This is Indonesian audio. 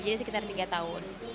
jadi sekitar tiga tahun